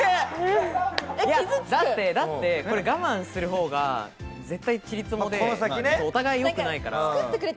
我慢するほうが絶対ちりつもで、お互いよくないから。